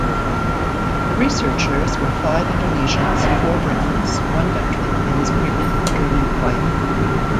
The researchers were five Indonesians, four Britons, one Dutchman and his pregnant German wife.